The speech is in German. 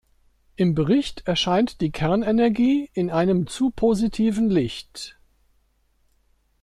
Im Bericht erscheint die Kernenergie in einem zu positiven Licht.